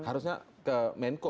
harusnya ke menko